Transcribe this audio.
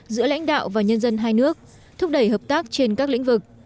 giữa lãnh đạo và nhân dân hai nước thúc đẩy hợp tác trên các lĩnh vực